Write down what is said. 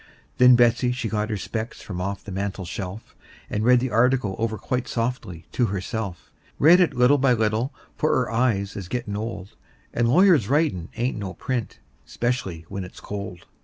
Then Betsey she got her specs from off the mantel shelf, And read the article over quite softly to herself; Read it by little and little, for her eyes is gettin' old, And lawyers' writin' ain't no print, especially when it's cold.